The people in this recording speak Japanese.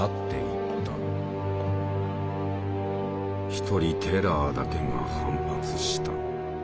一人テラーだけが反発した。